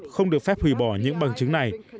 không được phép hủy bỏ những bằng chứng này